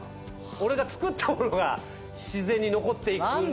俺が作ったものが自然に残っていくのが。